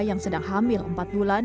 yang sedang hamil empat bulan